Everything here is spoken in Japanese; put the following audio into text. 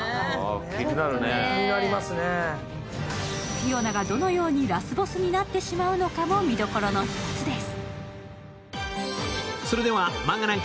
フィオナがどのようにラスボスになってしまうのかも、見どころの１つです。